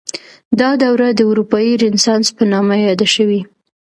دا دوره د اروپايي رنسانس په نامه یاده شوې.